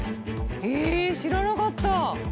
ええ知らなかった！